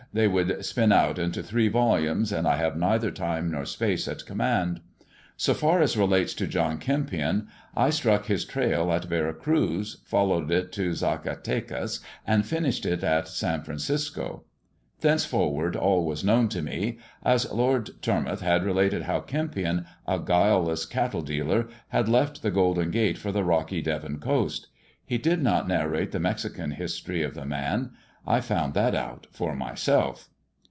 They would spin out into three volumeB, and I have neither time nor spaj;e at command. So far as relates to John Kempion, I struck hia trail at Tera Cruz, followed it to Zacatecaa, and finished it at San Francisco. Thenceforward all was known to me, as Lord Tormouth had related how Kempion, a guileless cattle " Kranpion and La Senora riding homeward. dealer, had left the Golden Gate for the rocky Devon coast. He did not narrate the Mexican history of the man. I found that out for myself.